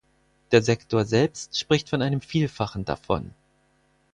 Der Sektor selbst spricht von einem Vielfachen davon.